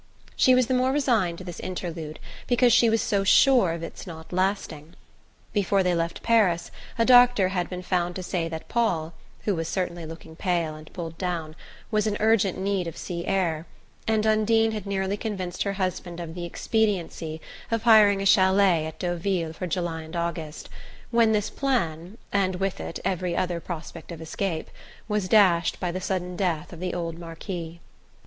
She was the more resigned to this interlude because she was so sure of its not lasting. Before they left Paris a doctor had been found to say that Paul who was certainly looking pale and pulled down was in urgent need of sea air, and Undine had nearly convinced her husband of the expediency of hiring a chalet at Deauville for July and August, when this plan, and with it every other prospect of escape, was dashed by the sudden death of the old Marquis.